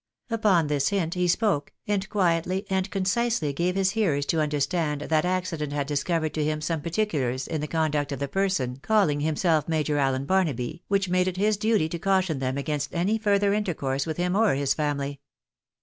Upon this hint he spoke, and quietly and concisely gave his hearers to understand that accident had discovered to him some particulars in the conduct of the person calling himself Major Allen Barnaby, which made it his duty to caution them against any further intercourse with him or his family.